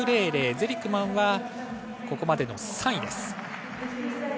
ゼリクマンはここまで３位です。